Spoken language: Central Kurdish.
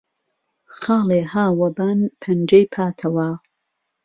خاڵێ ها وه بان پهنجهی پاتهوه